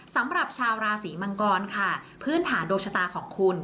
สำหรับชาวราศีมังกรค่ะพื้นฐานดวงชะตาของคุณ